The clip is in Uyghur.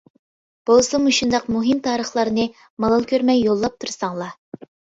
بولسا مۇشۇنداق مۇھىم تارىخلارنى مالال كۆرمەي يوللاپ تۇرساڭلا؟ !